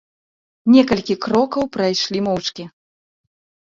Некалькі крокаў прайшлі моўчкі.